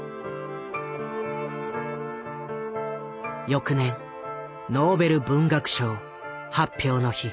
翌年ノーベル文学賞発表の日。